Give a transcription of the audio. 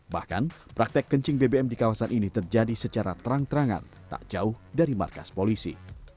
bahkan praktek kencing bbm di kawasan ini terjadi secara terang terangan tak jauh dari markas polisi